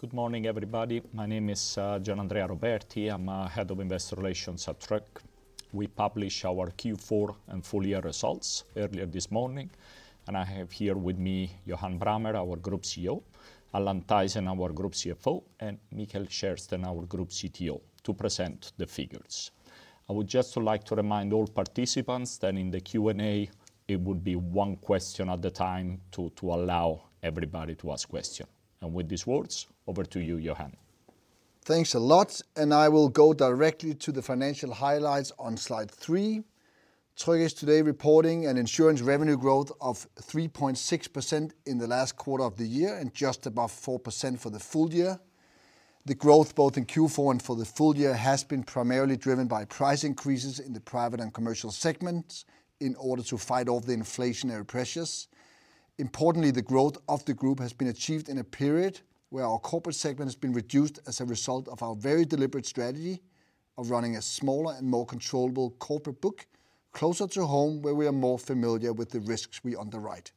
Good morning, everybody. My name is Gianandrea Roberti. I'm Head of Investor Relations at Tryg. We published our Q4 and full-year results earlier this morning, and I have here with me Johan Brammer, our Group CEO, Allan Thaysen, our Group CFO, and Mikael Kärrsten, our Group CTO, to present the figures. I would just like to remind all participants that in the Q&A it would be one question at a time to allow everybody to ask questions, and with these words, over to you, Johan. Thanks a lot, and I will go directly to the financial highlights on slide three. Tryg is today reporting an insurance revenue growth of 3.6% in the last quarter of the year and just above 4% for the full year. The growth, both in Q4 and for the full year, has been primarily driven by price increases in the Private and Commercial segments in order to fight off the inflationary pressures. Importantly, the growth of the Group has been achieved in a period where our Corporate Segment has been reduced as a result of our very deliberate strategy of running a smaller and more controllable corporate book closer to home, where we are more familiar with the risks we underwrite.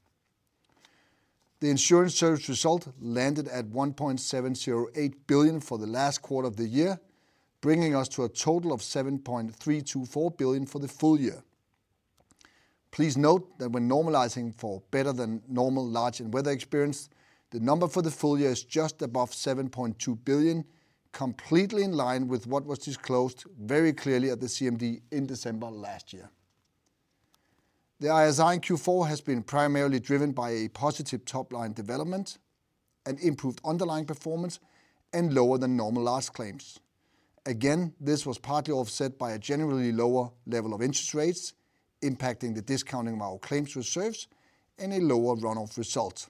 The insurance service result landed at 1.708 billion for the last quarter of the year, bringing us to a total of 7.324 billion for the full year. Please note that when normalizing for better-than-normal large and weather experience, the number for the full year is just above 7.2 billion, completely in line with what was disclosed very clearly at the CMD in December last year. The ISI in Q4 has been primarily driven by a positive top-line development, an improved underlying performance, and lower-than-normal large claims. Again, this was partly offset by a generally lower level of interest rates, impacting the discounting of our claims reserves and a lower run-off result.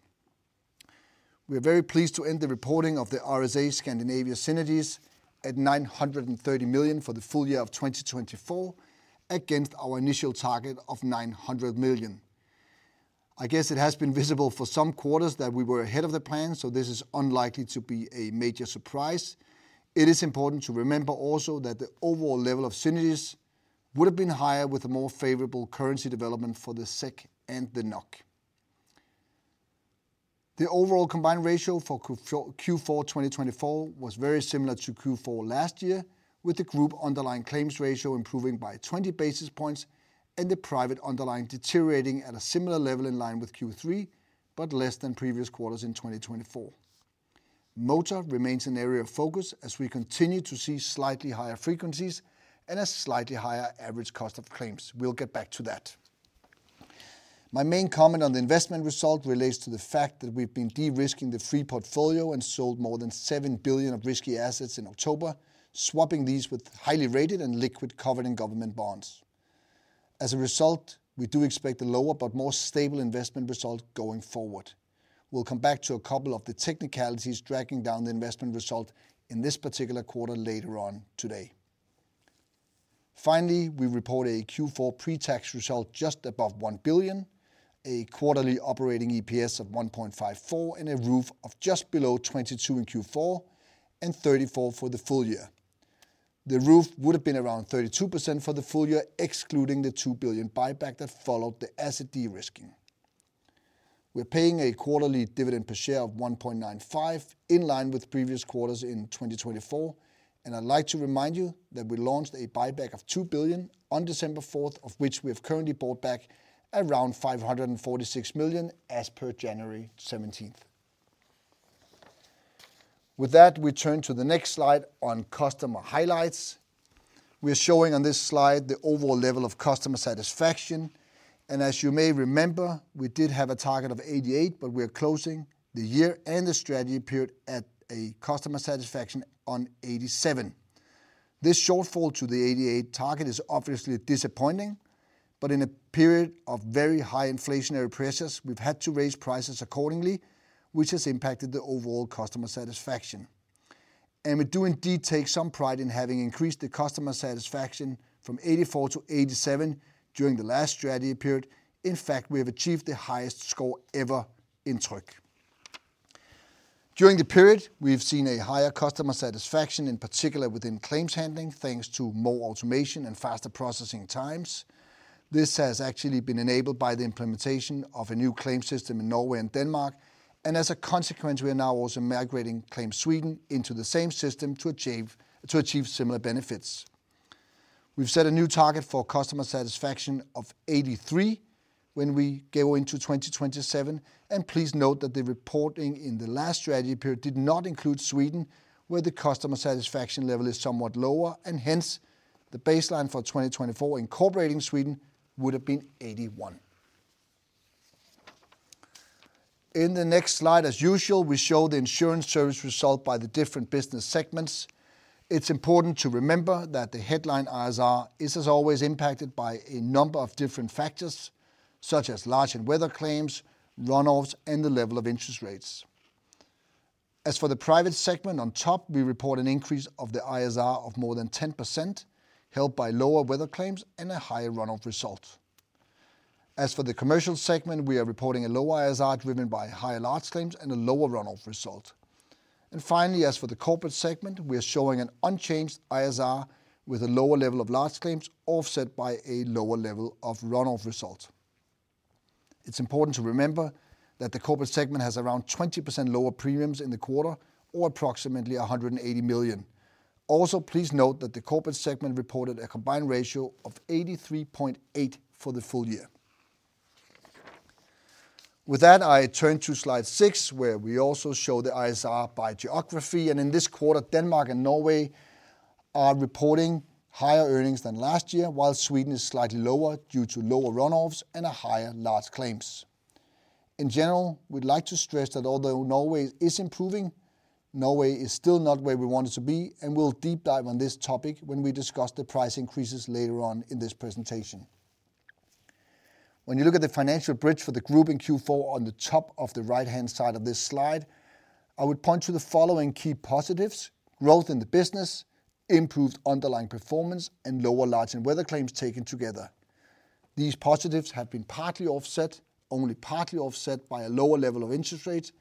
We are very pleased to end the reporting of the RSA Scandinavia synergies at 930 million for the full year of 2024, against our initial target of 900 million. I guess it has been visible for some quarters that we were ahead of the plan, so this is unlikely to be a major surprise. It is important to remember also that the overall level of synergies would have been higher with a more favorable currency development for the SEK and the NOK. The overall combined ratio for Q4 2024 was very similar to Q4 last year, with the Group underlying claims ratio improving by 20 basis points and the private underlying deteriorating at a similar level in line with Q3, but less than previous quarters in 2024. Motor remains an area of focus as we continue to see slightly higher frequencies and a slightly higher average cost of claims. We'll get back to that. My main comment on the investment result relates to the fact that we've been de-risking the free portfolio and sold more than 7 billion of risky assets in October, swapping these with highly rated and liquid covered bonds and government bonds. As a result, we do expect a lower but more stable investment result going forward. We'll come back to a couple of the technicalities tracking down the investment result in this particular quarter later on today. Finally, we report a Q4 pre-tax result just above 1 billion, a quarterly operating EPS of 1.54, and an ROOF of just below 22% in Q4 and 34% for the full year. The ROOF would have been around 32% for the full year, excluding the 2 billion buyback that followed the asset de-risking. We're paying a quarterly dividend per share of 1.95, in line with previous quarters in 2024, and I'd like to remind you that we launched a buyback of 2 billion on December 4th, of which we have currently bought back around 546 million as per January 17th. With that, we turn to the next slide on customer highlights. We are showing on this slide the overall level of customer satisfaction, and as you may remember, we did have a target of 88, but we are closing the year and the strategy period at a customer satisfaction on 87. This shortfall to the 88 target is obviously disappointing, but in a period of very high inflationary pressures, we've had to raise prices accordingly, which has impacted the overall customer satisfaction. And we do indeed take some pride in having increased the customer satisfaction from 84 to 87 during the last strategy period. In fact, we have achieved the highest score ever in Tryg. During the period, we've seen a higher customer satisfaction, in particular within claims handling, thanks to more automation and faster processing times. This has actually been enabled by the implementation of a new claim system in Norway and Denmark, and as a consequence, we are now also migrating claims Sweden into the same system to achieve similar benefits. We've set a new target for customer satisfaction of 83 when we go into 2027, and please note that the reporting in the last strategy period did not include Sweden, where the customer satisfaction level is somewhat lower, and hence the baseline for 2024 incorporating Sweden would have been 81. In the next slide, as usual, we show the insurance service result by the different business segments. It's important to remember that the headline ISR is, as always, impacted by a number of different factors, such as large and weather claims, run-offs, and the level of interest rates. As for the Private Segment, on top, we report an increase of the ISR of more than 10%, helped by lower weather claims and a higher run-off result. As for the Commercial segment, we are reporting a lower ISR driven by higher large claims and a lower run-off result. And finally, as for the Corporate Segment, we are showing an unchanged ISR with a lower level of large claims offset by a lower level of run-off result. It's important to remember that the Corporate Segment has around 20% lower premiums in the quarter or approximately 180 million. Also, please note that the Corporate Segment reported a combined ratio of 83.8% for the full year. With that, I turn to slide six, where we also show the ISR by geography, and in this quarter, Denmark and Norway are reporting higher earnings than last year, while Sweden is slightly lower due to lower run-offs and higher large claims. In general, we'd like to stress that although Norway is improving, Norway is still not where we want it to be, and we'll deep dive on this topic when we discuss the price increases later on in this presentation. When you look at the financial bridge for the Group in Q4 on the top of the right-hand side of this slide, I would point to the following key positives: growth in the business, improved underlying performance, and lower large and weather claims taken together. These positives have been partly offset, only partly offset, by a lower level of interest rates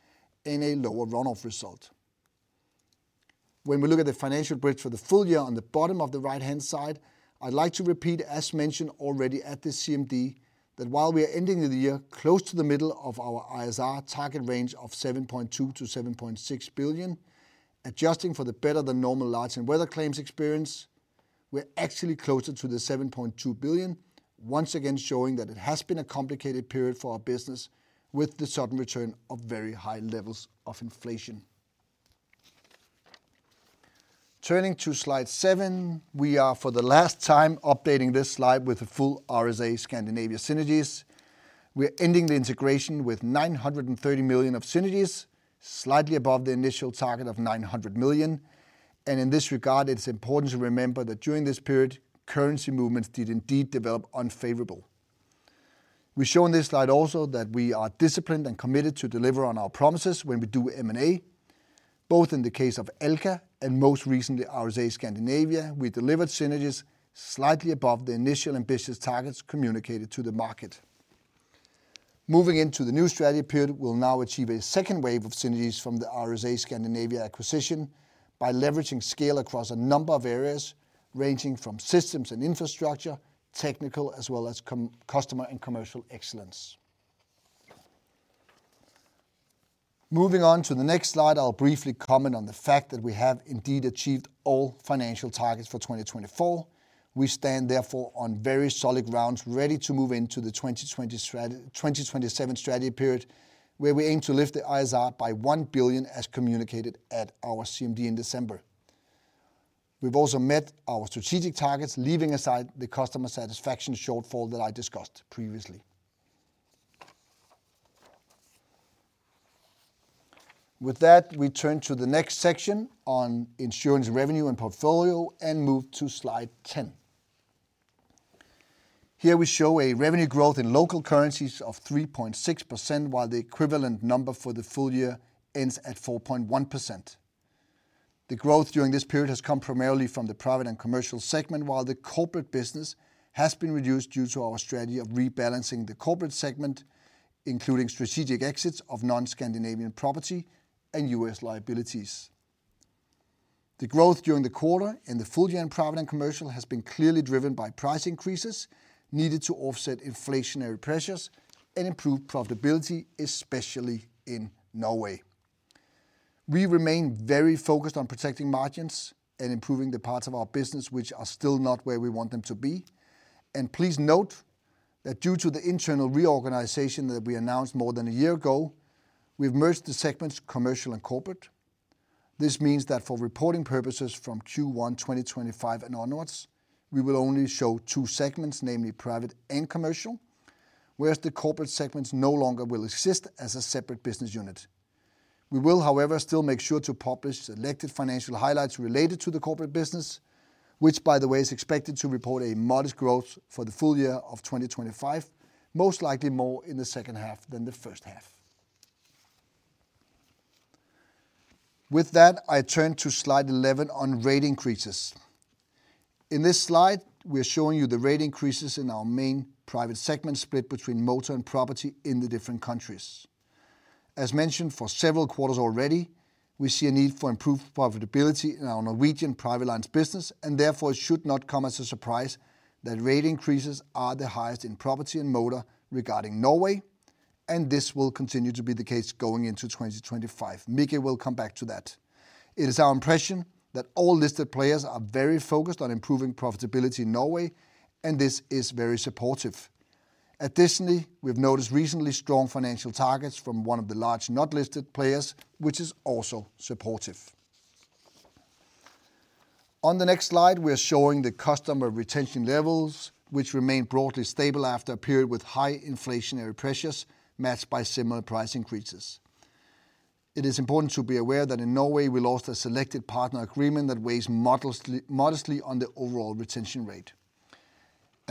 and a lower run-off result. When we look at the financial bridge for the full year on the bottom of the right-hand side, I'd like to repeat, as mentioned already at the CMD, that while we are ending the year close to the middle of our ISR target range of 7.2 billion-7.6 billion, adjusting for the better-than-normal large and weather claims experience, we're actually closer to the 7.2 billion, once again showing that it has been a complicated period for our business with the sudden return of very high levels of inflation. Turning to slide seven, we are, for the last time, updating this slide with the full RSA Scandinavia synergies. We are ending the integration with 930 million of synergies, slightly above the initial target of 900 million, and in this regard, it's important to remember that during this period, currency movements did indeed develop unfavorably. We show on this slide also that we are disciplined and committed to deliver on our promises when we do M&A. Both in the case of Alka and most recently RSA Scandinavia, we delivered synergies slightly above the initial ambitious targets communicated to the market. Moving into the new strategy period, we'll now achieve a second wave of synergies from the RSA Scandinavia acquisition by leveraging scale across a number of areas ranging from systems and infrastructure, technical, as well as customer and commercial excellence. Moving on to the next slide, I'll briefly comment on the fact that we have indeed achieved all financial targets for 2024. We stand therefore on very solid grounds, ready to move into the 2027 strategy period, where we aim to lift the ISR by 1 billion, as communicated at our CMD in December. We've also met our strategic targets, leaving aside the customer satisfaction shortfall that I discussed previously. With that, we turn to the next section on insurance revenue and portfolio and move to slide 10. Here we show a revenue growth in local currencies of 3.6%, while the equivalent number for the full year ends at 4.1%. The growth during this period has come primarily from the Private and Commercial segment, while the corporate business has been reduced due to our strategy of rebalancing the Corporate Segment, including strategic exits of non-Scandinavian property and U.S. liabilities. The growth during the quarter in the full year in Private and Commercial has been clearly driven by price increases needed to offset inflationary pressures and improve profitability, especially in Norway. We remain very focused on protecting margins and improving the parts of our business which are still not where we want them to be. Please note that due to the internal reorganization that we announced more than a year ago, we've merged the segments Commercial and Corporate. This means that for reporting purposes from Q1 2025 and onwards, we will only show two segments, namely Private and Commercial, whereas the Corporate Segments no longer will exist as a separate business unit. We will, however, still make sure to publish selected financial highlights related to the corporate business, which, by the way, is expected to report a modest growth for the full year of 2025, most likely more in the second half than the first half. With that, I turn to slide 11 on rate increases. In this slide, we are showing you the rate increases in our main Private Segment split between motor and property in the different countries. As mentioned for several quarters already, we see a need for improved profitability in our Norwegian Private lines business, and therefore it should not come as a surprise that rate increases are the highest in property and motor regarding Norway, and this will continue to be the case going into 2025. Mikael will come back to that. It is our impression that all listed players are very focused on improving profitability in Norway, and this is very supportive. Additionally, we've noticed recently strong financial targets from one of the large not-listed players, which is also supportive. On the next slide, we are showing the customer retention levels, which remain broadly stable after a period with high inflationary pressures matched by similar price increases. It is important to be aware that in Norway, we lost a selected partner agreement that weighs modestly on the overall retention rate.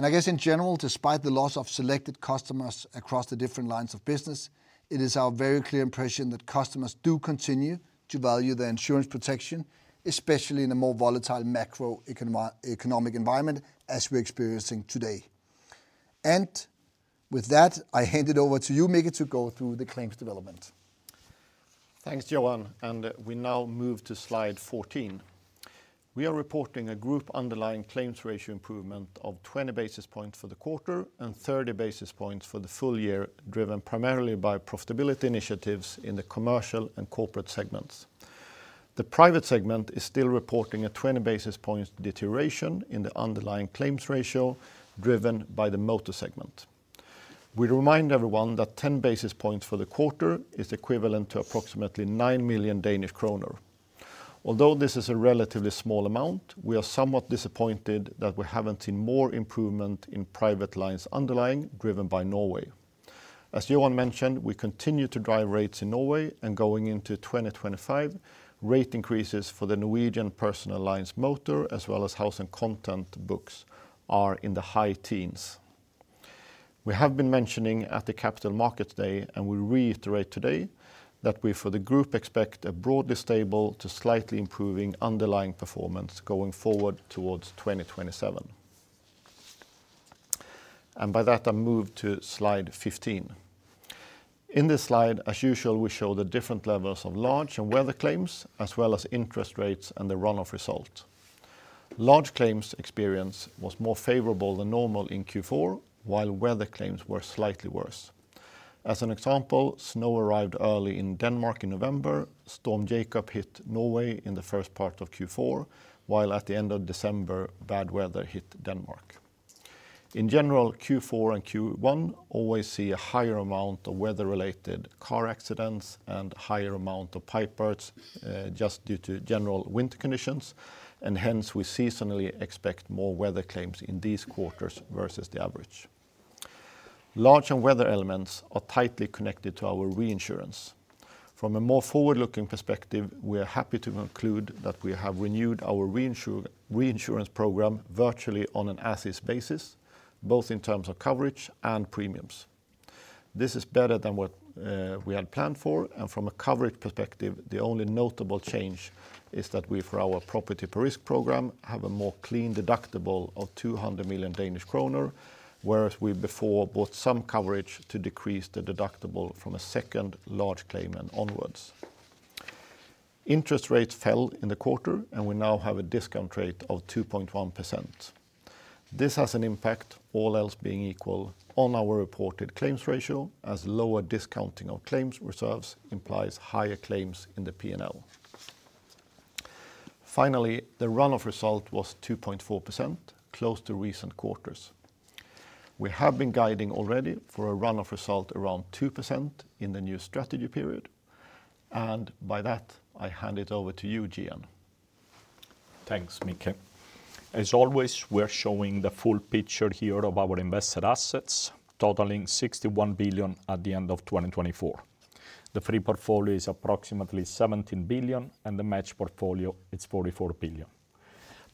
I guess in general, despite the loss of selected customers across the different lines of business, it is our very clear impression that customers do continue to value the insurance protection, especially in a more volatile macroeconomic environment as we're experiencing today. And with that, I hand it over to you, Mikael, to go through the claims development. Thanks, Johan. And we now move to slide 14. We are reporting a group underlying claims ratio improvement of 20 basis points for the quarter and 30 basis points for the full year, driven primarily by profitability initiatives in the Commercial and Corporate segments. The Private segment is still reporting a 20 basis points deterioration in the underlying claims ratio, driven by the motor segment. We remind everyone that 10 basis points for the quarter is equivalent to approximately 9 million Danish kroner. Although this is a relatively small amount, we are somewhat disappointed that we haven't seen more improvement in Private lines underlying, driven by Norway. As Johan mentioned, we continue to drive rates in Norway, and going into 2025, rate increases for the Norwegian personal lines motor, as well as house and content books, are in the high teens. We have been mentioning at the Capital Markets Day, and we reiterate today that we for the group expect a broadly stable to slightly improving underlying performance going forward towards 2027. By that, I move to slide 15. In this slide, as usual, we show the different levels of large and weather claims, as well as interest rates and the run-off result. Large claims experience was more favorable than normal in Q4, while weather claims were slightly worse. As an example, snow arrived early in Denmark in November. Storm Jakob hit Norway in the first part of Q4, while at the end of December, bad weather hit Denmark. In general, Q4 and Q1 always see a higher amount of weather-related car accidents and a higher amount of pipe bursts just due to general winter conditions, and hence we seasonally expect more weather claims in these quarters versus the average. Large weather events are tightly connected to our reinsurance. From a more forward-looking perspective, we are happy to conclude that we have renewed our reinsurance program virtually on the same basis, both in terms of coverage and premiums. This is better than what we had planned for, and from a coverage perspective, the only notable change is that we for our property per risk program have a more clean deductible of 200 million Danish kroner, whereas we before bought some coverage to decrease the deductible from a second large claim and onwards. Interest rates fell in the quarter, and we now have a discount rate of 2.1%. This has an impact, all else being equal, on our reported claims ratio, as lower discounting of claims reserves implies higher claims in the P&L. Finally, the run-off result was 2.4%, close to recent quarters. We have been guiding already for a run-off result around 2% in the new strategy period, and by that, I hand it over to you, Gian. Thanks, Mikael. As always, we're showing the full picture here of our invested assets, totaling 61 billion at the end of 2024. The free portfolio is approximately 17 billion, and the match portfolio is 44 billion.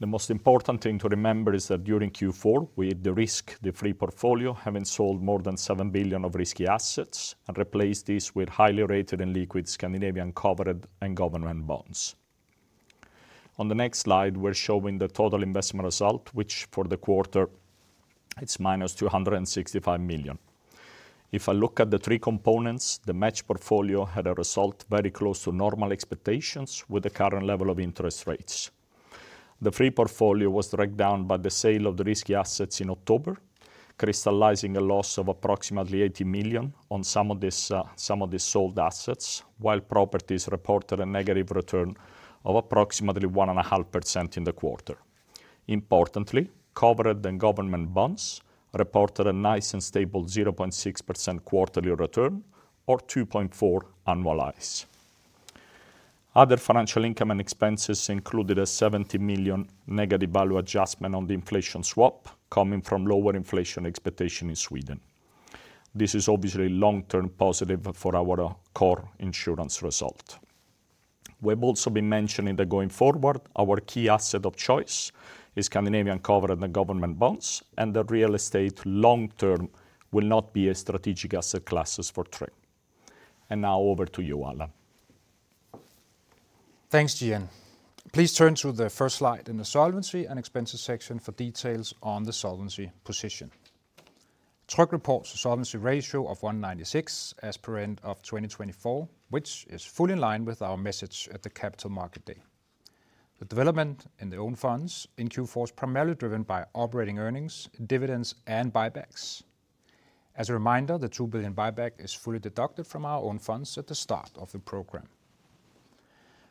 The most important thing to remember is that during Q4, we de-risked the free portfolio, having sold more than 7 billion of risky assets and replaced these with highly rated and liquid Scandinavian covered and government bonds. On the next slide, we're showing the total investment result, which for the quarter, it's minus 265 million. If I look at the three components, the match portfolio had a result very close to normal expectations with the current level of interest rates. The free portfolio was dragged down by the sale of the risky assets in October, crystallizing a loss of approximately 80 million on some of these sold assets, while properties reported a negative return of approximately 1.5% in the quarter. Importantly, covered and government bonds reported a nice and stable 0.6% quarterly return or 2.4% annualized. Other financial income and expenses included a 70 million negative value adjustment on the inflation swap coming from lower inflation expectation in Sweden. This is obviously long-term positive for our core insurance result. We've also been mentioning that going forward, our key asset of choice is Scandinavian covered and government bonds, and the real estate long-term will not be a strategic asset class for Tryg. And now over to you, Allan. Thanks, Gian. Please turn to the first slide in the solvency and expenses section for details on the solvency position. Tryg reports a solvency ratio of 196 as per end of 2024, which is fully in line with our message at the Capital Markets Day. The development in the own funds in Q4 is primarily driven by operating earnings, dividends, and buybacks. As a reminder, the 2 billion buyback is fully deducted from our own funds at the start of the program.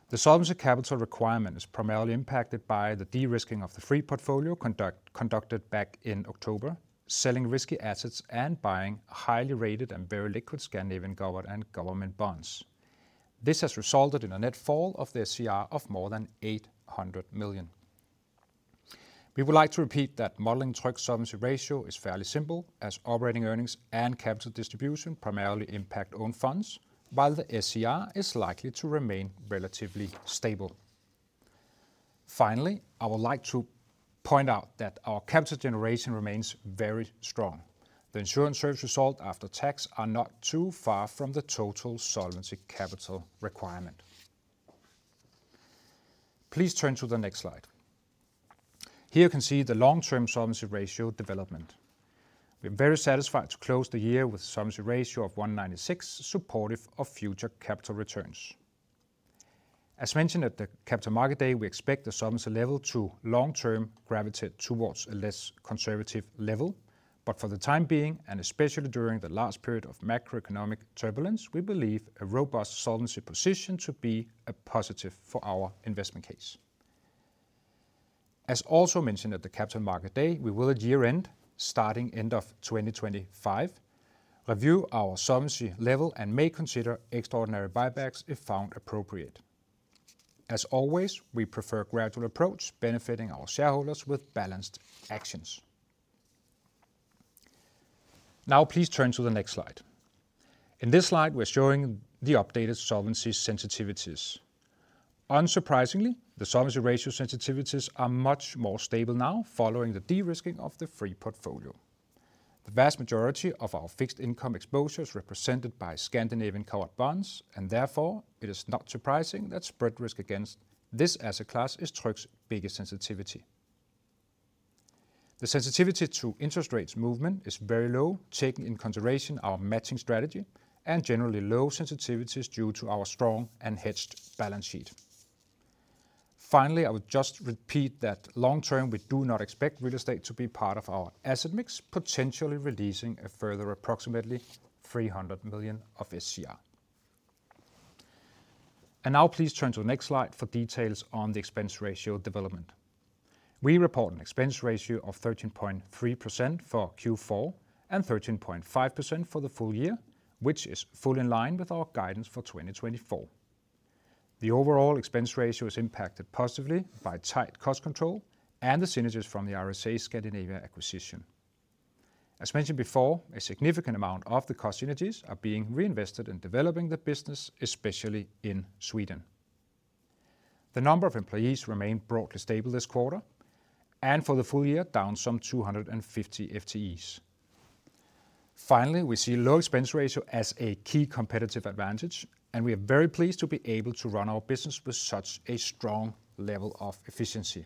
The solvency capital requirement is primarily impacted by the de-risking of the free portfolio conducted back in October, selling risky assets and buying highly rated and very liquid Scandinavian covered and government bonds. This has resulted in a net fall of the SCR of more than 800 million. We would like to repeat that modeling Tryg's solvency ratio is fairly simple, as operating earnings and capital distribution primarily impact own funds, while the SCR is likely to remain relatively stable. Finally, I would like to point out that our capital generation remains very strong. The insurance service result after tax is not too far from the total solvency capital requirement. Please turn to the next slide. Here you can see the long-term solvency ratio development. We are very satisfied to close the year with a solvency ratio of 196, supportive of future capital returns. As mentioned at the Capital Markets Day, we expect the solvency level to long-term gravitate towards a less conservative level, but for the time being, and especially during the last period of macroeconomic turbulence, we believe a robust solvency position to be a positive for our investment case. As also mentioned at the Capital Markets Day, we will at year-end, starting end of 2025, review our solvency level and may consider extraordinary buybacks if found appropriate. As always, we prefer a gradual approach, benefiting our shareholders with balanced actions. Now, please turn to the next slide. In this slide, we're showing the updated solvency sensitivities. Unsurprisingly, the solvency ratio sensitivities are much more stable now, following the de-risking of the free portfolio. The vast majority of our fixed income exposure is represented by Scandinavian covered bonds, and therefore, it is not surprising that spread risk against this asset class is Tryg's biggest sensitivity. The sensitivity to interest rates movement is very low, taking into consideration our matching strategy and generally low sensitivities due to our strong and hedged balance sheet. Finally, I would just repeat that long-term, we do not expect real estate to be part of our asset mix, potentially releasing a further approximately 300 million of SCR. Now, please turn to the next slide for details on the expense ratio development. We report an expense ratio of 13.3% for Q4 and 13.5% for the full year, which is fully in line with our guidance for 2024. The overall expense ratio is impacted positively by tight cost control and the synergies from the RSA Scandinavia acquisition. As mentioned before, a significant amount of the cost synergies are being reinvested in developing the business, especially in Sweden. The number of employees remained broadly stable this quarter, and for the full year, down some 250 FTEs. Finally, we see a low expense ratio as a key competitive advantage, and we are very pleased to be able to run our business with such a strong level of efficiency.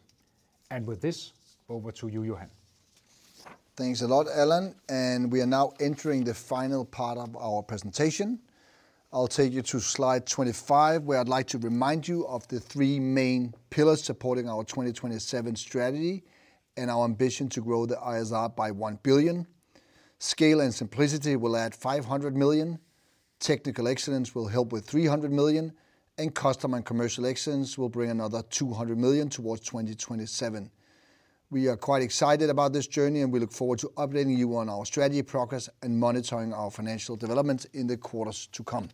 And with this, over to you, Johan. Thanks a lot, Allan. And we are now entering the final part of our presentation. I'll take you to slide 25, where I'd like to remind you of the three main pillars supporting our 2027 strategy and our ambition to grow the ISR by one billion. Scale & Simplicity will add 500 million. Technical Excellence will help with 300 million, and Customer & Commercial Excellence will bring another 200 million towards 2027. We are quite excited about this journey, and we look forward to updating you on our strategy progress and monitoring our financial developments in the quarters to come.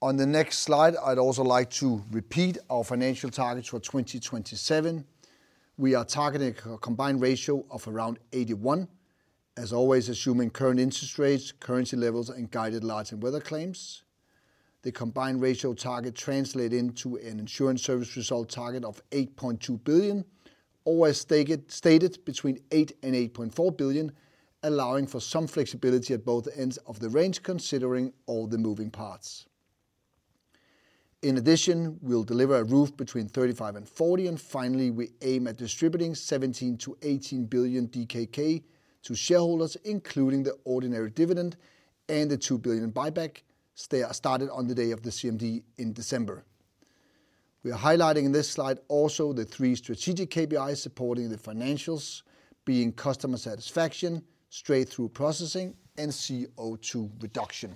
On the next slide, I'd also like to repeat our financial targets for 2027. We are targeting a combined ratio of around 81, as always assuming current interest rates, currency levels, and guided large and weather claims. The combined ratio target translated into an insurance service result target of 8.2 billion, always stated between 8 and 8.4 billion, allowing for some flexibility at both ends of the range, considering all the moving parts. In addition, we'll deliver a ROOF between 35 and 40, and finally, we aim at distributing 17 billion-18 billion DKK to shareholders, including the ordinary dividend and the 2 billion buyback started on the day of the CMD in December. We are highlighting in this slide also the three strategic KPIs supporting the financials, being customer satisfaction, straight-through processing, and CO2 reduction.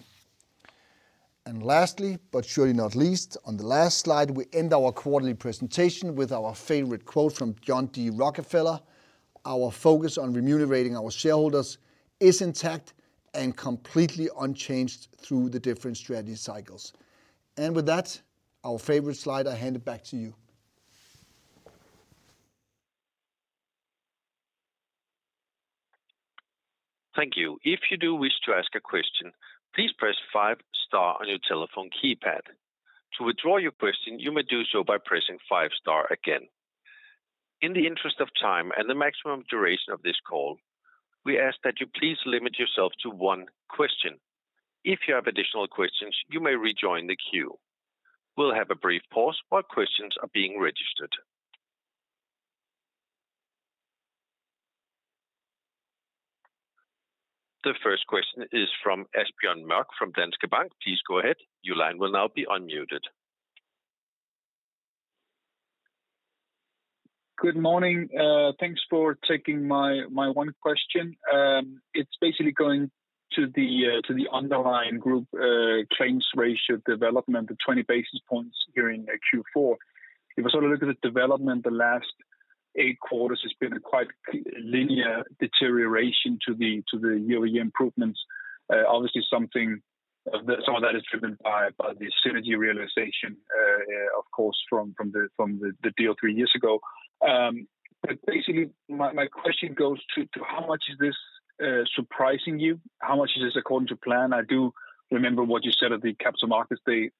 And lastly, but not least, on the last slide, we end our quarterly presentation with our favorite quote from John D. Rockefeller: "Our focus on remunerating our shareholders is intact and completely unchanged through the different strategy cycles." And with that, our favorite slide I hand it back to you. Thank you. If you do wish to ask a question, please press five star on your telephone keypad. To withdraw your question, you may do so by pressing five star again. In the interest of time and the maximum duration of this call, we ask that you please limit yourself to one question. If you have additional questions, you may rejoin the queue. We'll have a brief pause while questions are being registered. The first question is from Asbjørn Mørk from Danske Bank. Please go ahead. Your line will now be unmuted. Good morning. Thanks for taking my one question. It's basically going to the underlying group claims ratio development, the 20 basis points here in Q4. If I sort of look at the development, the last eight quarters has been a quite linear deterioration to the year-over-year improvements. Obviously, some of that is driven by the synergy realization, of course, from the deal three years ago. But basically, my question goes to how much is this surprising you? How much is this according to plan? I do remember what you said at the Capital Markets Day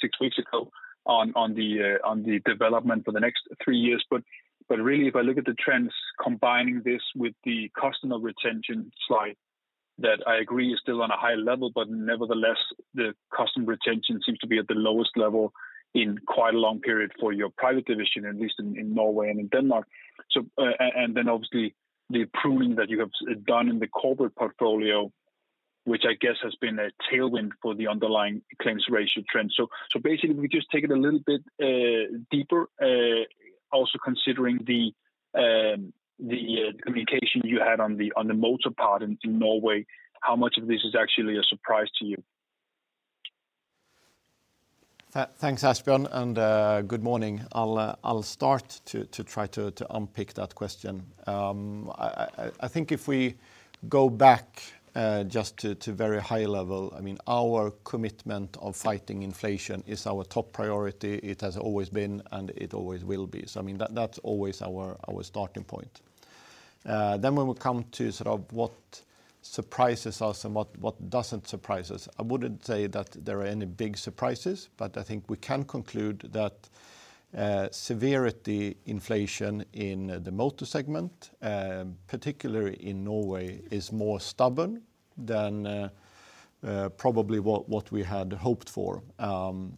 six weeks ago on the development for the next three years. But really, if I look at the trends, combining this with the customer retention slide that I agree is still on a high level, but nevertheless, the customer retention seems to be at the lowest level in quite a long period for your private division, at least in Norway and in Denmark. And then obviously, the pruning that you have done in the corporate portfolio, which I guess has been a tailwind for the underlying claims ratio trend. So basically, we just take it a little bit deeper, also considering the communication you had on the motor part in Norway. How much of this is actually a surprise to you? Thanks, Asbjørn, and good morning. I'll start to try to unpick that question. I think if we go back just to very high level, I mean, our commitment of fighting inflation is our top priority. It has always been, and it always will be. So I mean, that's always our starting point. Then when we come to sort of what surprises us and what doesn't surprise us, I wouldn't say that there are any big surprises, but I think we can conclude that severity inflation in the motor segment, particularly in Norway, is more stubborn than probably what we had hoped for.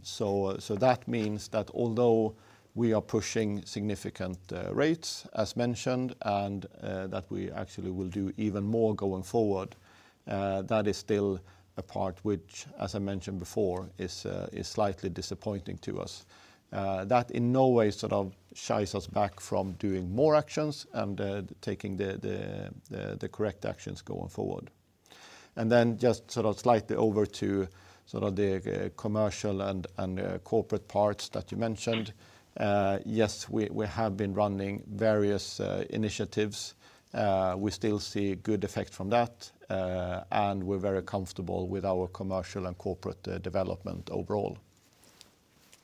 So that means that although we are pushing significant rates, as mentioned, and that we actually will do even more going forward, that is still a part which, as I mentioned before, is slightly disappointing to us. That in no way sort of shies us back from doing more actions and taking the correct actions going forward. And then just sort of slightly over to sort of the Commercial and Corporate parts that you mentioned. Yes, we have been running various initiatives. We still see good effects from that, and we're very comfortable with our commercial and corporate development overall.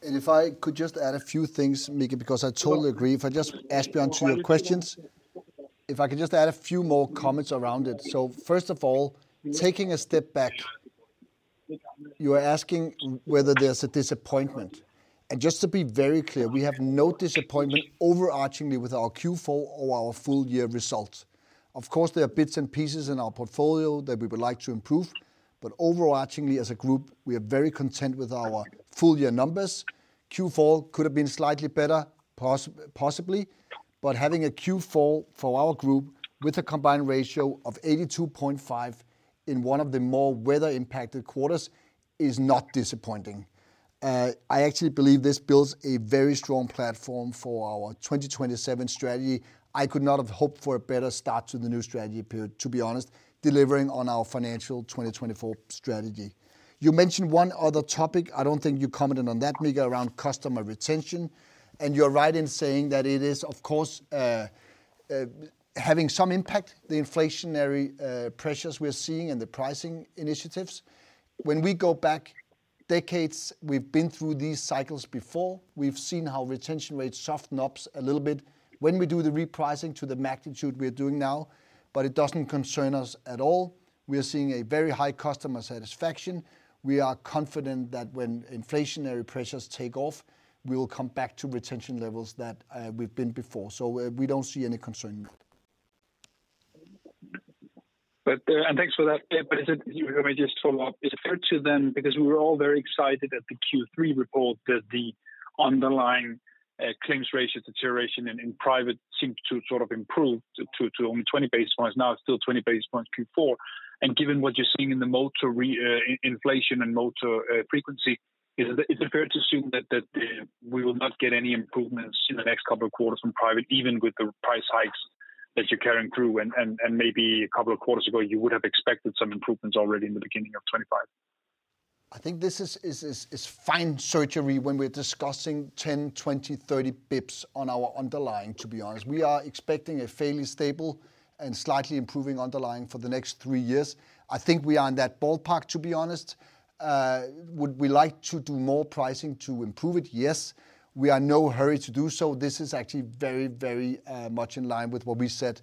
And if I could just add a few things, Mikael, because I totally agree. If I just, Asbjørn, to your questions, if I could just add a few more comments around it. So first of all, taking a step back, you are asking whether there's a disappointment. And just to be very clear, we have no disappointment overarchingly with our Q4 or our full year result. Of course, there are bits and pieces in our portfolio that we would like to improve, but overarchingly, as a group, we are very content with our full year numbers. Q4 could have been slightly better, possibly, but having a Q4 for our group with a combined ratio of 82.5 in one of the more weather-impacted quarters is not disappointing. I actually believe this builds a very strong platform for our 2027 strategy. I could not have hoped for a better start to the new strategy, to be honest, delivering on our financial 2024 strategy. You mentioned one other topic. I don't think you commented on that, Mikael, around customer retention. And you're right in saying that it is, of course, having some impact, the inflationary pressures we're seeing and the pricing initiatives. When we go back decades, we've been through these cycles before. We've seen how retention rates soften up a little bit when we do the repricing to the magnitude we're doing now, but it doesn't concern us at all. We are seeing a very high customer satisfaction. We are confident that when inflationary pressures take off, we will come back to retention levels that we've been before. So we don't see any concern. And thanks for that. But let me just follow up. Is it fair to then, because we were all very excited at the Q3 report that the underlying claims ratio deterioration in private seemed to sort of improve to only 20 basis points, now still 20 basis points Q4? And given what you're seeing in the motor inflation and motor frequency, is it fair to assume that we will not get any improvements in the next couple of quarters from private, even with the price hikes that you're carrying through? And maybe a couple of quarters ago, you would have expected some improvements already in the beginning of 2025. I think this is fine surgery when we're discussing 10, 20, 30 basis points on our underlying, to be honest. We are expecting a fairly stable and slightly improving underlying for the next three years. I think we are in that ballpark, to be honest. Would we like to do more pricing to improve it? Yes. We are in no hurry to do so. This is actually very, very much in line with what we said,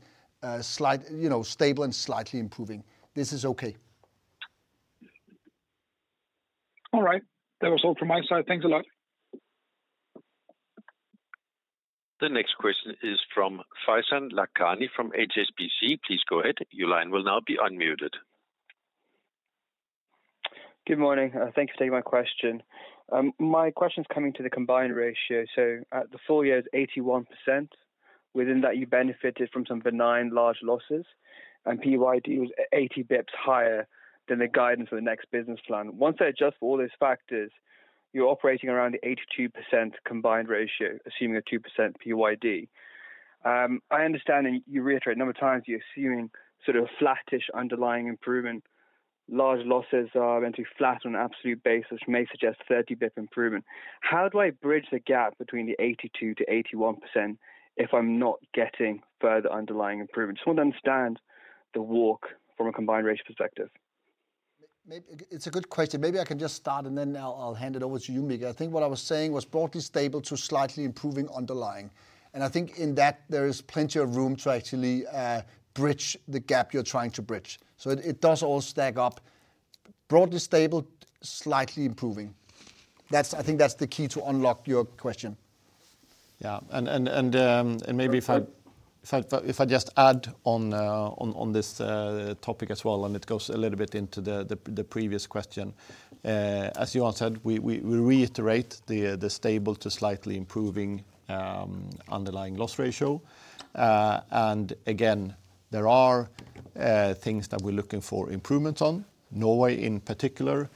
stable and slightly improving. This is okay. All right. That was all from my side. Thanks a lot. The next question is from Faizan Lakhani from HSBC. Please go ahead. Your line will now be unmuted. Good morning. Thanks for taking my question. My question's coming to the combined ratio. So the full year is 81%. Within that, you benefited from some benign large losses, and PYD was 80 basis points higher than the guidance for the next business plan. Once they adjust for all those factors, you're operating around the 82% combined ratio, assuming a 2% PYD. I understand, and you reiterate a number of times you're assuming sort of a flattish underlying improvement. Large losses are meant to be flat on an absolute basis, which may suggest a 30 basis point improvement. How do I bridge the gap between the 82%-81% if I'm not getting further underlying improvement? Just want to understand the walk from a combined ratio perspective. It's a good question. Maybe I can just start, and then I'll hand it over to you, Mikael. I think what I was saying was broadly stable to slightly improving underlying. And I think in that, there is plenty of room to actually bridge the gap you're trying to bridge. So it does all stack up broadly stable, slightly improving. I think that's the key to unlock your question. Yeah. And maybe if I just add on this topic as well, and it goes a little bit into the previous question. As Johan said, we reiterate the stable to slightly improving underlying loss ratio. And again, there are things that we're looking for improvements on, Norway in particular,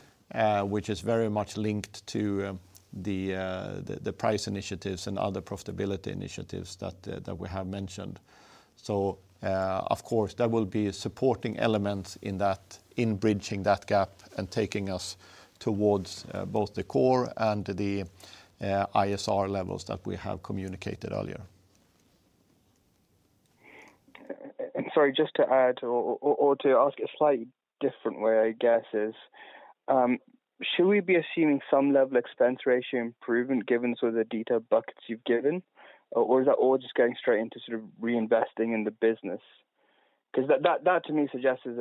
which is very much linked to the price initiatives and other profitability initiatives that we have mentioned. Of course, there will be supporting elements in bridging that gap and taking us towards both the core and the ISR levels that we have communicated earlier. Sorry, just to add or to ask a slightly different way, I guess, is should we be assuming some level expense ratio improvement given sort of the detailed buckets you've given, or is that all just going straight into sort of reinvesting in the business? Because that to me suggests as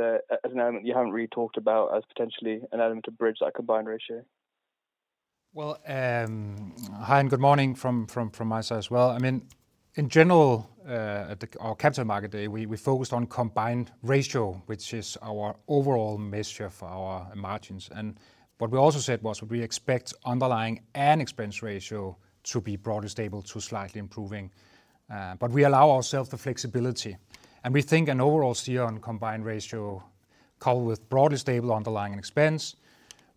an element you haven't really talked about as potentially an element to bridge that combined ratio. Hi, and good morning from my side as well. I mean, in general, at our Capital Markets Day, we focused on combined ratio, which is our overall measure for our margins. And what we also said was we expect underlying and expense ratio to be broadly stable to slightly improving. But we allow ourselves the flexibility. And we think an overall [CER] on combined ratio coupled with broadly stable underlying and expense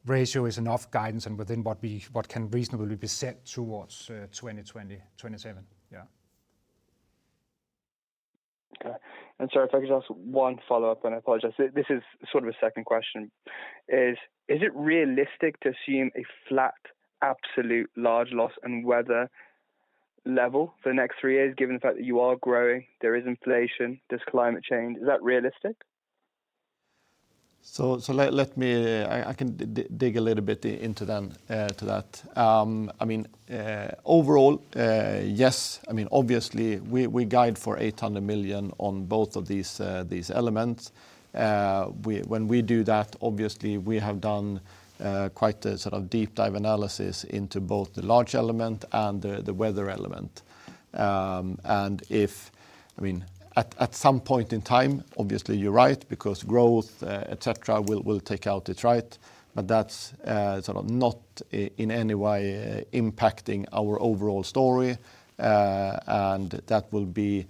ratio is enough guidance and within what can reasonably be set towards 2027. Yeah. Okay. And sorry, if I could just ask one follow-up, and I apologize. This is sort of a second question. Is it realistic to assume a flat absolute large loss and weather level for the next three years, given the fact that you are growing, there is inflation, there's climate change? Is that realistic? So let me dig a little bit into that. I mean, overall, yes. I mean, obviously, we guide for 800 million on both of these elements. When we do that, obviously, we have done quite a sort of deep-dive analysis into both the large element and the weather element. I mean, at some point in time, obviously, you're right, because growth, etc., will take out its right. But that's sort of not in any way impacting our overall story. And that will be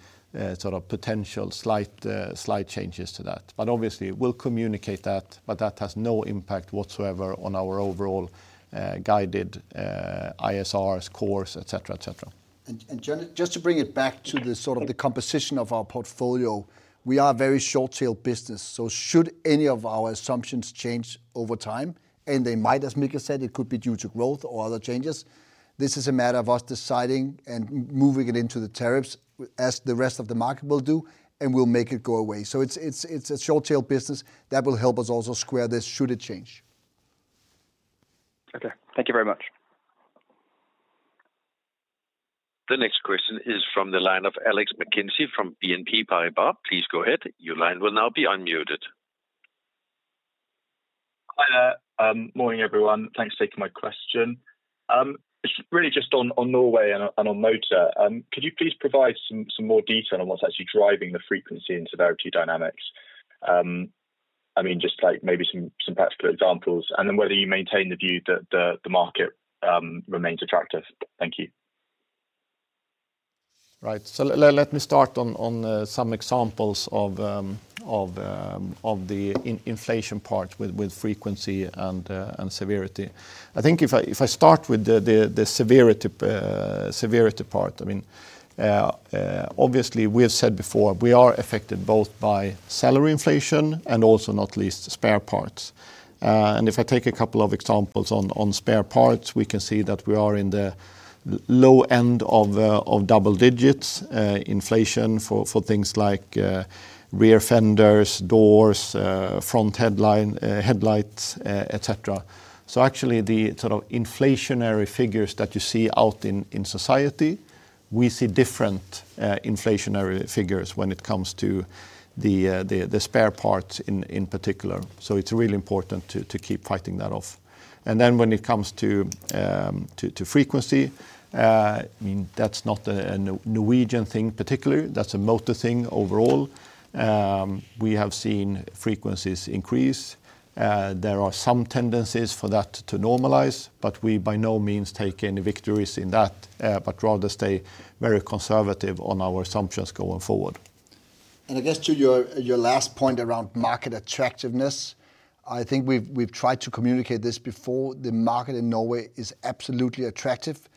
sort of potential slight changes to that. But obviously, we'll communicate that, but that has no impact whatsoever on our overall guided ISR scores, etc., etc. And just to bring it back to sort of the composition of our portfolio, we are a very short-tailed business. So should any of our assumptions change over time, and they might, as Mikael said, it could be due to growth or other changes, this is a matter of us deciding and moving it into the tariffs as the rest of the market will do, and we'll make it go away. So it's a short-tailed business that will help us also square this should it change. Okay. Thank you very much. The next question is from the line of Alex MacKenzie from BNP Paribas. Please go ahead. Your line will now be unmuted. Hi, there. Morning, everyone. Thanks for taking my question. It's really just on Norway and on Motor. Could you please provide some more detail on what's actually driving the frequency and severity dynamics? I mean, just maybe some practical examples, and then whether you maintain the view that the market remains attractive. Thank you. Right. So let me start on some examples of the inflation part with frequency and severity. I think if I start with the severity part, I mean, obviously, we have said before, we are affected both by salary inflation and also not least spare parts. And if I take a couple of examples on spare parts, we can see that we are in the low end of double digits inflation for things like rear fenders, doors, front headlights, etc. So actually, the sort of inflationary figures that you see out in society, we see different inflationary figures when it comes to the spare parts in particular. So it's really important to keep fighting that off. And then when it comes to frequency, I mean, that's not a Norwegian thing particularly. That's a motor thing overall. We have seen frequencies increase. There are some tendencies for that to normalize, but we by no means take any victories in that, but rather stay very conservative on our assumptions going forward. And I guess to your last point around market attractiveness, I think we've tried to communicate this before. The market in Norway is absolutely attractive.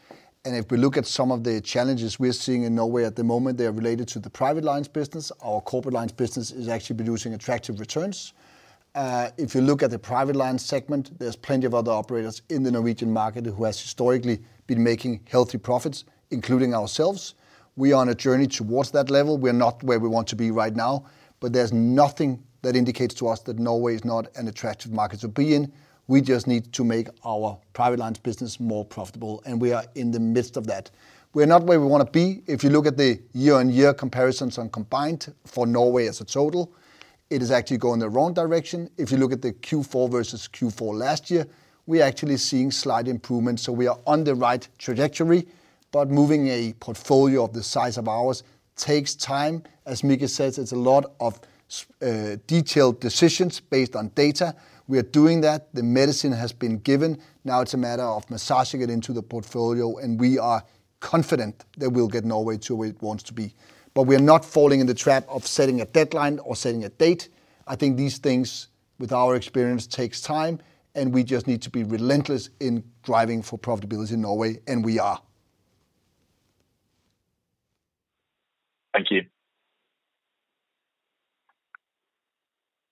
If we look at some of the challenges we're seeing in Norway at the moment, they are related to the Private lines business. Our Corporate lines business is actually producing attractive returns. If you look at the Private lines segment, there's plenty of other operators in the Norwegian market who have historically been making healthy profits, including ourselves. We are on a journey towards that level. We are not where we want to be right now, but there's nothing that indicates to us that Norway is not an attractive market to be in. We just need to make our Private lines business more profitable, and we are in the midst of that. We are not where we want to be. If you look at the year-on-year comparisons on combined for Norway as a total, it is actually going in the wrong direction. If you look at the Q4 versus Q4 last year, we are actually seeing slight improvements. So we are on the right trajectory, but moving a portfolio of the size of ours takes time. As Mikael says, it's a lot of detailed decisions based on data. We are doing that. The medicine has been given. Now it's a matter of massaging it into the portfolio, and we are confident that we'll get Norway to where it wants to be. But we are not falling in the trap of setting a deadline or setting a date. I think these things, with our experience, take time, and we just need to be relentless in driving for profitability in Norway, and we are. Thank you.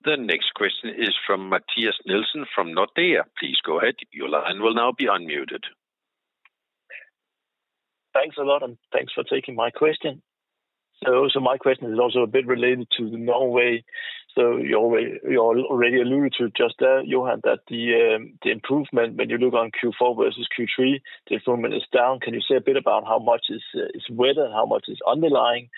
The next question is from Mathias Nielsen from Nordea. Please go ahead. Your line will now be unmuted. Thanks a lot, and thanks for taking my question. So my question is also a bit related to Norway. So you already alluded to just there, Johan, that the improvement, when you look on Q4 versus Q3, the improvement is down. Can you say a bit about how much is weather, how much is underlying?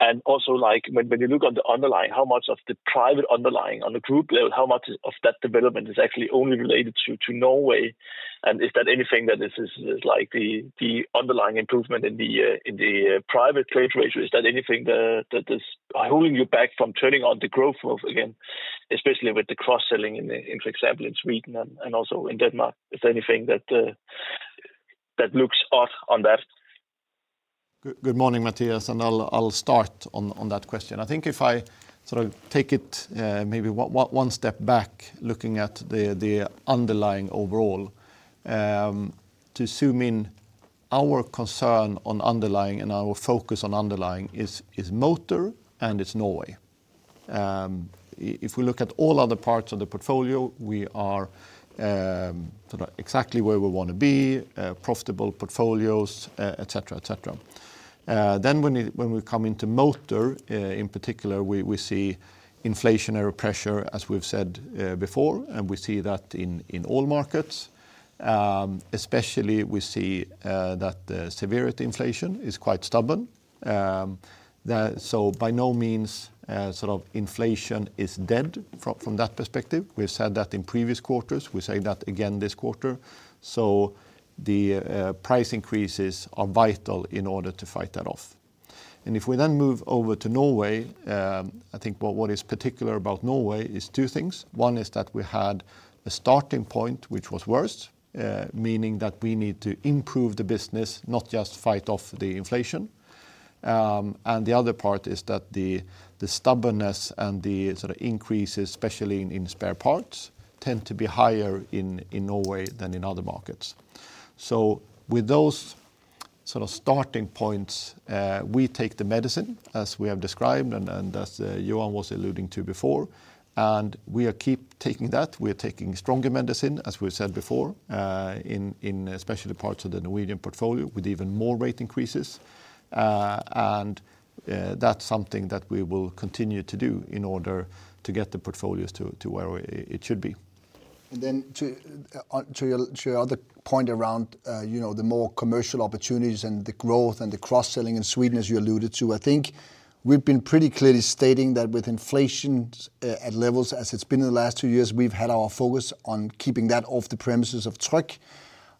And also, when you look on the underlying, how much of the private underlying on the group level, how much of that development is actually only related to Norway? And is that anything that is like the underlying improvement in the private loss ratio? Is that anything that is holding you back from turning on the growth mode, again, especially with the cross-selling in, for example, in Sweden and also in Denmark? Is there anything that looks odd on that? Good morning, Mathias, and I'll start on that question. I think if I sort of take it maybe one step back, looking at the underlying overall, to zoom in, our concern on underlying and our focus on underlying is motor, and it's Norway. If we look at all other parts of the portfolio, we are sort of exactly where we want to be, profitable portfolios, etc., etc., then when we come into motor, in particular, we see inflationary pressure, as we've said before, and we see that in all markets, especially, we see that the severity of inflation is quite stubborn, so by no means sort of inflation is dead from that perspective. We've said that in previous quarters. We're saying that again this quarter, so the price increases are vital in order to fight that off, and if we then move over to Norway, I think what is particular about Norway is two things. One is that we had a starting point which was worse, meaning that we need to improve the business, not just fight off the inflation, and the other part is that the stubbornness and the sort of increases, especially in spare parts, tend to be higher in Norway than in other markets, so with those sort of starting points, we take the medicine, as we have described and as Johan was alluding to before, and we are keep taking that. We are taking stronger medicine, as we've said before, especially in parts of the Norwegian portfolio with even more rate increases, and that's something that we will continue to do in order to get the portfolios to where it should be. And then to your other point around the more commercial opportunities and the growth and the cross-selling in Sweden, as you alluded to, I think we've been pretty clearly stating that with inflation at levels as it's been in the last two years, we've had our focus on keeping that off the premises of Tryg.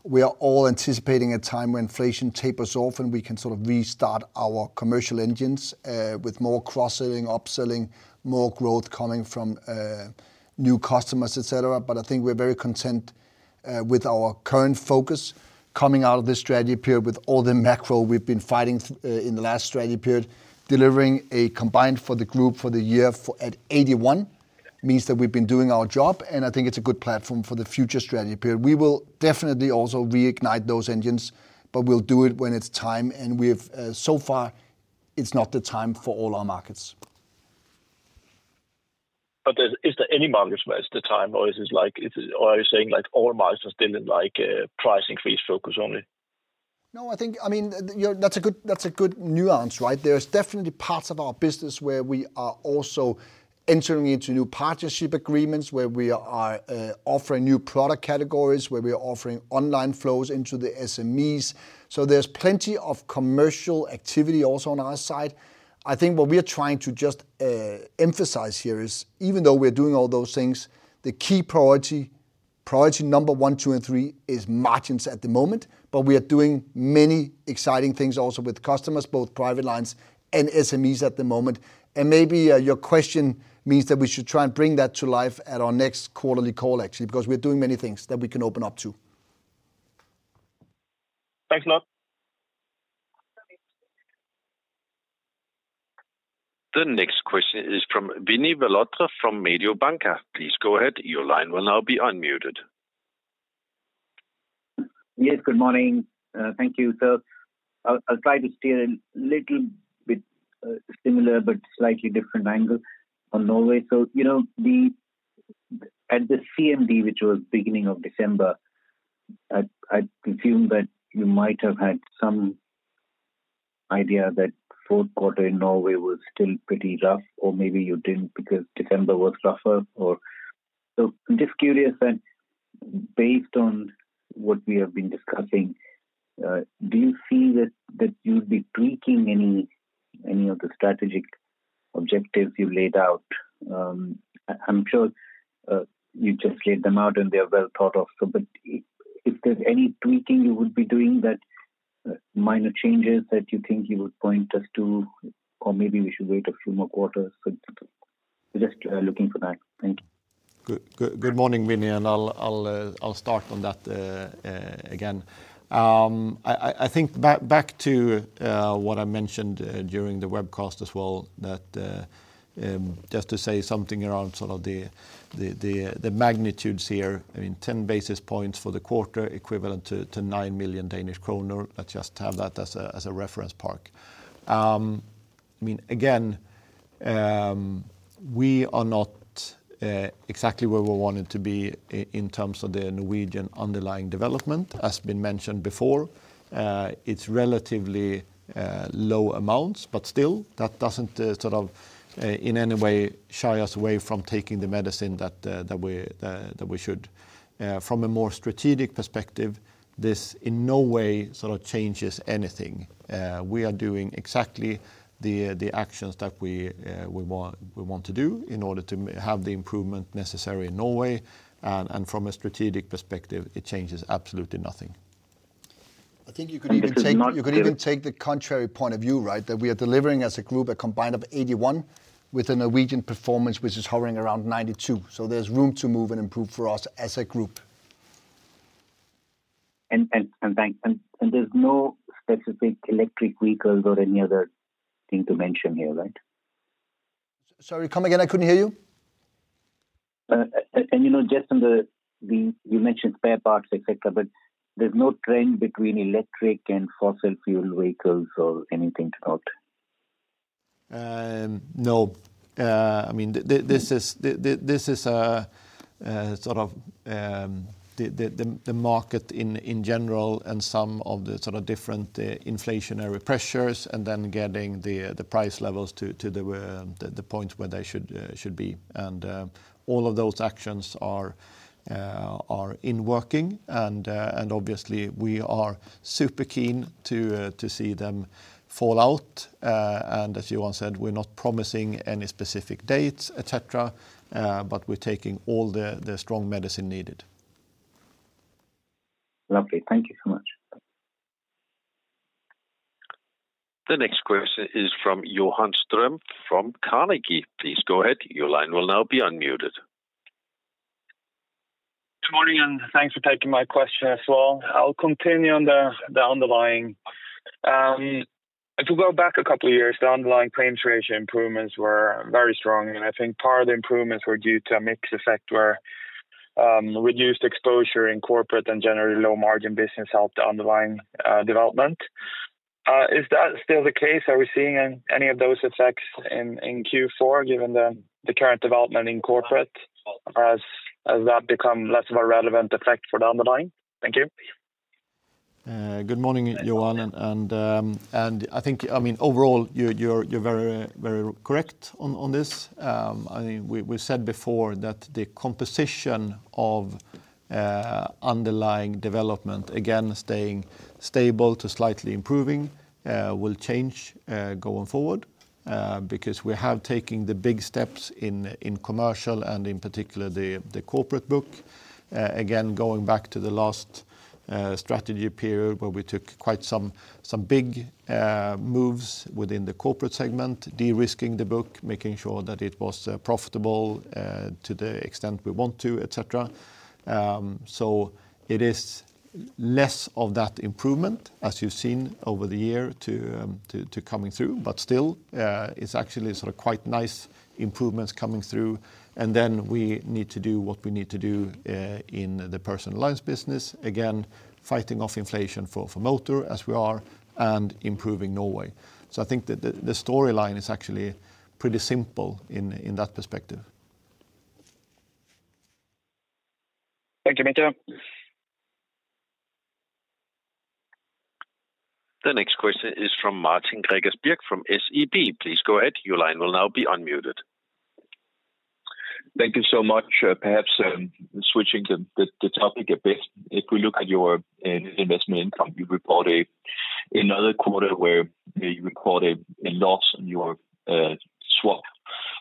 We are all anticipating a time when inflation tapers off and we can sort of restart our commercial engines with more cross-selling, upselling, more growth coming from new customers, etc. But I think we're very content with our current focus coming out of this strategy period with all the macro we've been fighting in the last strategy period, delivering a combined ratio for the group for the year at 81%. That means that we've been doing our job, and I think it's a good platform for the future strategy period. We will definitely also reignite those engines, but we'll do it when it's time, and so far, it's not the time for all our markets. But is there any margin where it's the time, or are you saying all margins are still in price increase focus only? No, I think, I mean, that's a good nuance, right? There's definitely parts of our business where we are also entering into new partnership agreements, where we are offering new product categories, where we are offering online flows into the SMEs. So there's plenty of commercial activity also on our side. I think what we are trying to just emphasize here is, even though we're doing all those things, the key priority, priority number one, two, and three is margins at the moment, but we are doing many exciting things also with customers, both Private lines and SMEs at the moment. And maybe your question means that we should try and bring that to life at our next quarterly call, actually, because we're doing many things that we can open up to. Thanks a lot. The next question is from Vinit Malhotra from Mediobanca. Please go ahead. Your line will now be unmuted. Yes, good morning. Thank you, sir. I'll try to steer a little bit similar but slightly different angle on Norway. So at the CMD, which was beginning of December, I presume that you might have had some idea that fourth quarter in Norway was still pretty rough, or maybe you didn't because December was rougher. So I'm just curious that based on what we have been discussing, do you see that you'd be tweaking any of the strategic objectives you've laid out? I'm sure you just laid them out and they're well thought of. But if there's any tweaking you would be doing, that minor changes that you think you would point us to, or maybe we should wait a few more quarters. So just looking for that. Thank you. Good morning, Vinit, and I'll start on that again. I think back to what I mentioned during the webcast as well, that just to say something around sort of the magnitudes here. I mean, 10 basis points for the quarter equivalent to 9 million Danish kroner. Let's just have that as a reference point. I mean, again, we are not exactly where we wanted to be in terms of the Norwegian underlying development, as has been mentioned before. It's relatively low amounts, but still, that doesn't sort of in any way shy us away from taking the medicine that we should. From a more strategic perspective, this in no way sort of changes anything. We are doing exactly the actions that we want to do in order to have the improvement necessary in Norway. And from a strategic perspective, it changes absolutely nothing. I think you could even take the contrary point of view, right, that we are delivering as a group a combined of 81 with a Norwegian performance which is hovering around 92. So there's room to move and improve for us as a group. And there's no specific electric vehicles or any other thing to mention here, right? Sorry, come again. I couldn't hear you. And you mentioned spare parts, etc., but there's no trend between electric and fossil fuel vehicles or anything to note? No. I mean, this is sort of the market in general and some of the sort of different inflationary pressures and then getting the price levels to the point where they should be. All of those actions are in working, and obviously, we are super keen to see them fall out. And as Johan said, we're not promising any specific dates, etc., but we're taking all the strong medicine needed. Lovely. Thank you so much. The next question is from Johan Ström from Carnegie. Please go ahead. Your line will now be unmuted. Good morning, and thanks for taking my question as well. I'll continue on the underlying. If we go back a couple of years, the underlying claims ratio improvements were very strong, and I think part of the improvements were due to a mix effect where reduced exposure in corporate and generally low-margin business helped the underlying development. Is that still the case? Are we seeing any of those effects in Q4 given the current development in corporate as that becomes less of a relevant effect for the underlying? Thank you. Good morning, Johan, and I think, I mean, overall, you're very, very correct on this. I mean, we said before that the composition of underlying development, again, staying stable to slightly improving, will change going forward because we have taken the big steps in Commercial and in particular the Corporate book. Again, going back to the last strategy period where we took quite some big moves within the Corporate segment, de-risking the book, making sure that it was profitable to the extent we want to, etc., so it is less of that improvement, as you've seen over the year to coming through, but still, it's actually sort of quite nice improvements coming through, and then we need to do what we need to do in the personal lines business, again, fighting off inflation for motor as we are and improving Norway. So I think the storyline is actually pretty simple in that perspective. Thank you, Mathias. The next question is from Martin Gregers Birk from SEB. Please go ahead. Your line will now be unmuted. Thank you so much. Perhaps switching the topic a bit, if we look at your investment income, you report another quarter where you report a loss on your swap.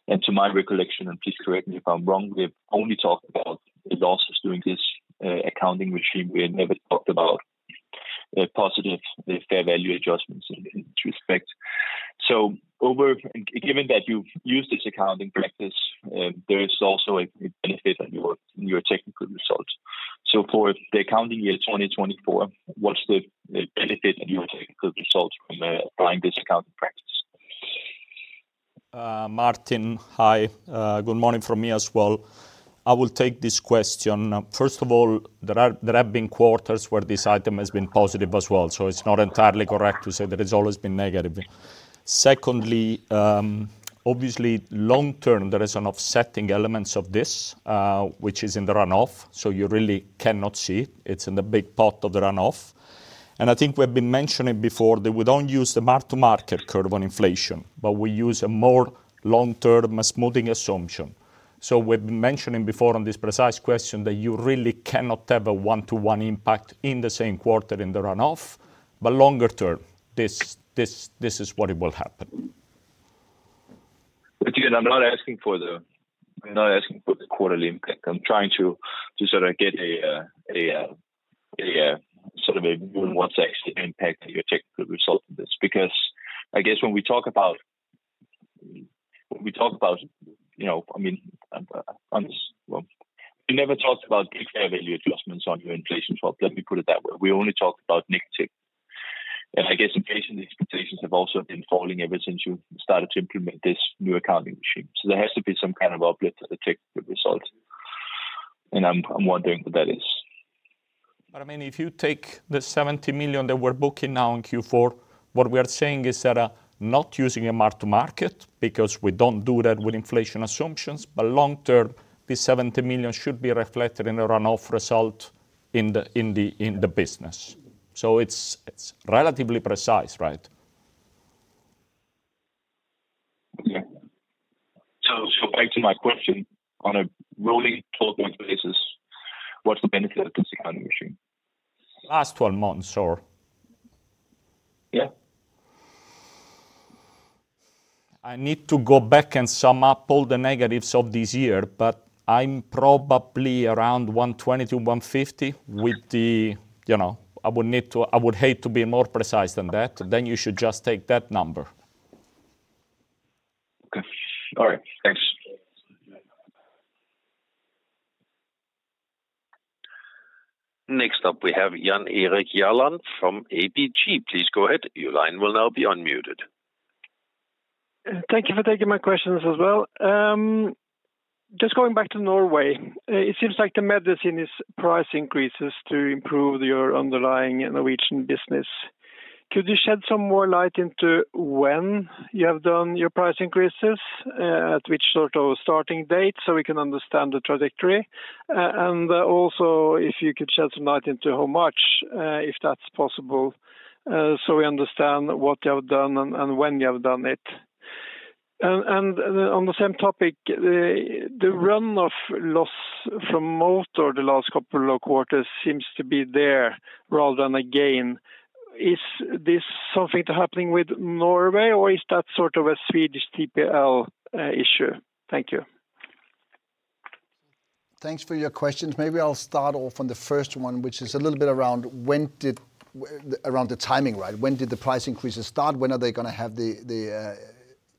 And to my recollection, and please correct me if I'm wrong, we have only talked about the losses during this accounting regime. We have never talked about positive fair value adjustments in this respect. So given that you've used this accounting practice, there is also a benefit in your technical results. So for the accounting year 2024, what's the benefit in your technical results from applying this accounting practice? Martin, hi. Good morning from me as well. I will take this question. First of all, there have been quarters where this item has been positive as well. So it's not entirely correct to say that it's always been negative. Secondly, obviously, long-term, there are some offsetting elements of this, which is in the runoff, so you really cannot see it. It's in the big pot of the runoff. And I think we have been mentioning before that we don't use the mark-to-market curve on inflation, but we use a more long-term smoothing assumption. So we've been mentioning before on this precise question that you really cannot have a one-to-one impact in the same quarter in the runoff, but longer term, this is what will happen. But again, I'm not asking for the quarterly impact. I'm trying to sort of get a sort of a one-to-one impact in your technical result of this because I guess when we talk about, I mean, you never talked about fair value adjustments on your inflation swap. Let me put it that way. We only talked about negative. And I guess inflation expectations have also been falling ever since you started to implement this new accounting regime. So there has to be some kind of uplift of the technical result. And I'm wondering what that is. But I mean, if you take the 70 million that we're booking now in Q4, what we are saying is that not using a mark-to-market because we don't do that with inflation assumptions, but long-term, this 70 million should be reflected in the runoff result in the business. So it's relatively precise, right? Yeah. So back to my question, on a rolling four-month basis, what's the benefit of this accounting regime? Last 12 months, or? Yeah. I need to go back and sum up all the negatives of this year, but I'm probably around 120-150 with the, I would hate to be more precise than that. Then you should just take that number. Okay. All right. Thanks. Next up, we have Jan Erik Gjerland from ABG. Please go ahead. Your line will now be unmuted. Thank you for taking my questions as well. Just going back to Norway, it seems like the medicine is price increases to improve your underlying Norwegian business. Could you shed some more light into when you have done your price increases, at which sort of starting dates so we can understand the trajectory? And also, if you could shed some light into how much, if that's possible, so we understand what you have done and when you have done it. And on the same topic, the runoff loss from motor the last couple of quarters seems to be there rather than a gain. Is this something happening with Norway, or is that sort of a Swedish TPL issue? Thank you. Thanks for your questions. Maybe I'll start off on the first one, which is a little bit around the timing, right? When did the price increases start? When are they going to have the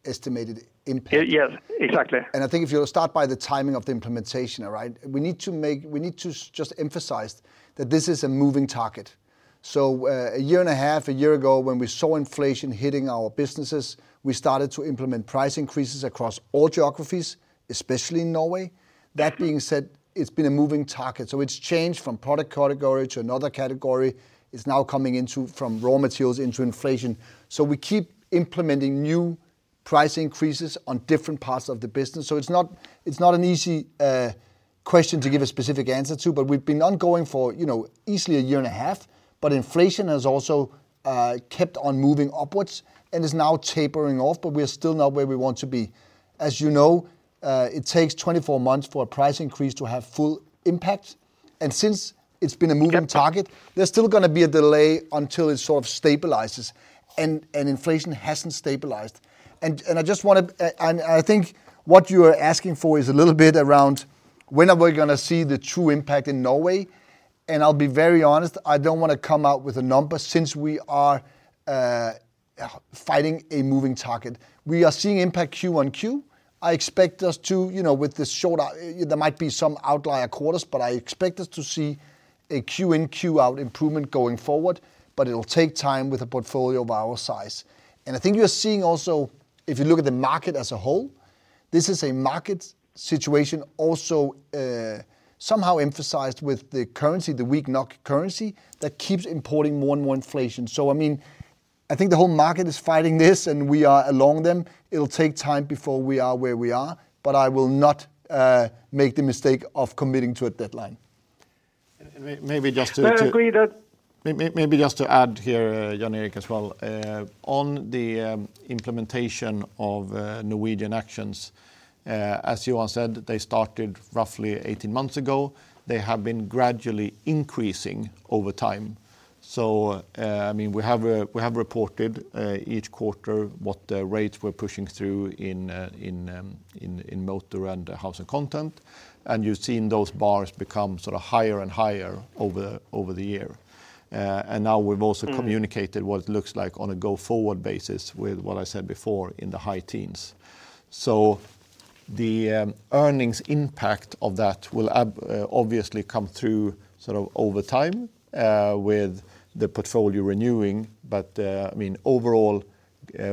estimated impact? Yes, exactly. And I think if you'll start by the timing of the implementation, all right? We need to just emphasize that this is a moving target. So a year and a half, a year ago, when we saw inflation hitting our businesses, we started to implement price increases across all geographies, especially in Norway. That being said, it's been a moving target. So it's changed from product category to another category. It's now coming from raw materials into inflation. So we keep implementing new price increases on different parts of the business. So it's not an easy question to give a specific answer to, but we've been ongoing for easily a year and a half. But inflation has also kept on moving upwards and is now tapering off, but we are still not where we want to be. As you know, it takes 24 months for a price increase to have full impact. And since it's been a moving target, there's still going to be a delay until it sort of stabilizes. And inflation hasn't stabilized. And I just want to, and I think what you're asking for is a little bit around when are we going to see the true impact in Norway? And I'll be very honest, I don't want to come out with a number since we are fighting a moving target. We are seeing impact Q-on-Q. I expect us to, with this sort, there might be some outlier quarters, but I expect us to see a Q in, Q out improvement going forward, but it'll take time with a portfolio of our size. And I think you're seeing also, if you look at the market as a whole, this is a market situation also somehow emphasized with the currency, the weak NOK currency that keeps importing more and more inflation. So I mean, I think the whole market is fighting this and we are along with them. It'll take time before we are where we are, but I will not make the mistake of committing to a deadline. And maybe just to add here, Jan Erik as well, on the implementation of Norwegian actions, as Johan said, they started roughly 18 months ago. They have been gradually increasing over time. So I mean, we have reported each quarter what the rates we're pushing through in motor and housing content. And you've seen those bars become sort of higher and higher over the year. And now we've also communicated what it looks like on a go-forward basis with what I said before in the high teens. So the earnings impact of that will obviously come through sort of over time with the portfolio renewing. But I mean, overall,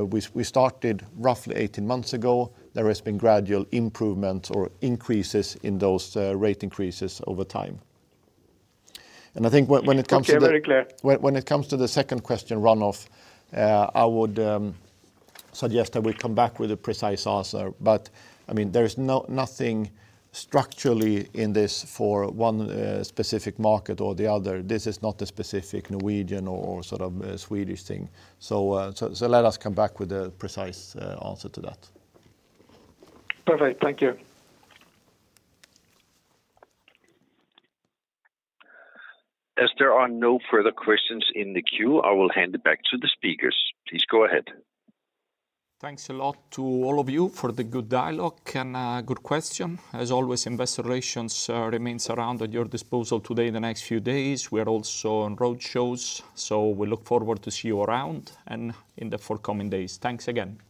we started roughly 18 months ago. There has been gradual improvements or increases in those rate increases over time, and I think when it comes to, I'm very clear. When it comes to the second question, runoff, I would suggest that we come back with a precise answer, but I mean, there is nothing structurally in this for one specific market or the other. This is not a specific Norwegian or sort of Swedish thing, so let us come back with a precise answer to that. Perfect. Thank you. As there are no further questions in the queue, I will hand it back to the speakers. Please go ahead. Thanks a lot to all of you for the good dialogue and good question. As always, Investor Relations remains around at your disposal today, the next few days. We are also on road shows, so we look forward to see you around in the forthcoming days. Thanks again.